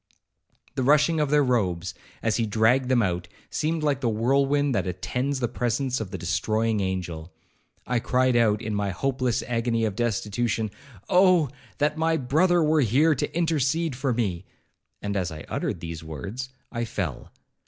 The rushing of their robes, as he dragged them out, seemed like the whirlwind that attends the presence of the destroying angel. I cried out, in my hopeless agony of destitution, 'Oh! that my brother were here to intercede for me,'—and, as I uttered these words, I fell.